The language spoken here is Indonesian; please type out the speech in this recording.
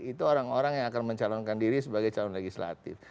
itu orang orang yang akan mencalonkan diri sebagai calon legislatif